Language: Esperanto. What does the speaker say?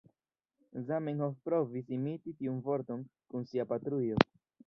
Zamenhof provis imiti tiun vorton kun sia "patrujo".